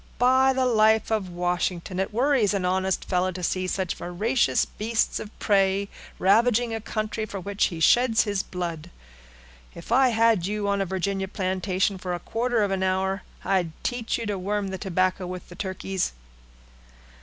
"By the life of Washington! it worries an honest fellow to see such voracious beasts of prey ravaging a country for which he sheds his blood. If I had you on a Virginia plantation for a quarter of an hour, I'd teach you to worm the tobacco with the turkeys."